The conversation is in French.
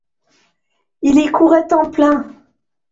Il y courait en plein.